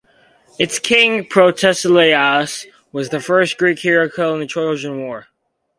Its king, Protesilaus, was the first Greek hero killed in the Trojan War.